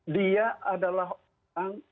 dia adalah orang yang